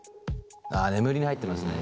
あ眠りに入ってますね